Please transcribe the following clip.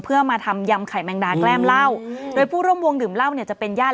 เพื่อมาทำยำไข่แมงดาแกล้มเหล้าโดยผู้ร่วมวงดื่มเหล้าเนี่ยจะเป็นญาติ